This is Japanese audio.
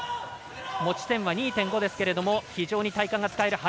持ち点は２．５ですけども非常に体幹が使える。